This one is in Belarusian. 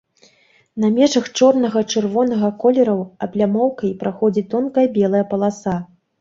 На межах чорнага і чырвонага колераў аблямоўкай праходзіць тонкая белая паласа.